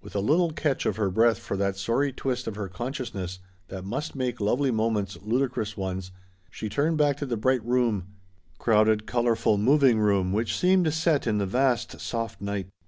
With a little catch of her breath for that sorry twist of her consciousness that must make lovely moments ludicrous ones, she turned back to the bright room crowded, colorful, moving room which seemed set in the vast, soft night.